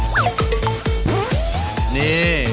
โอเค